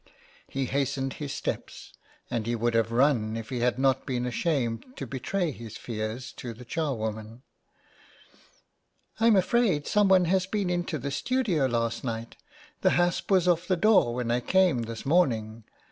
He hastened his steps, and he would have run if he had not been ashamed to betray his fears to the charwoman. " I'm afraid someone has been into the studio last night. The hasp was off the door when I came this morning.